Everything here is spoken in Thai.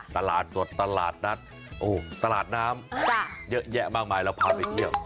ตลาดสดตลาดนัดตลาดน้ำเยอะแยะมากมายเราพาไปเที่ยว